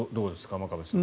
真壁さん。